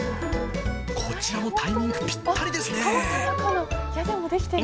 こちらもタイミングぴったりですね。